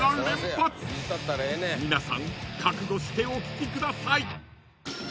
［皆さん覚悟してお聞きください］